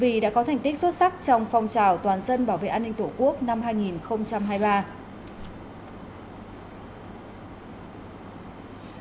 vì đã có thành tích xuất sắc trong phong trào toàn dân bảo vệ an ninh tổ quốc năm hai nghìn hai mươi ba